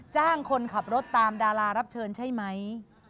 จ้างคนขับรถตามดารารับเชิญใช่ไหม